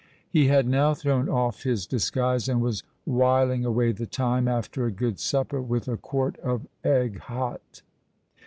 He had now thrown off his disguise, and was whiling away the time, after a good supper, with a quart of egg hot.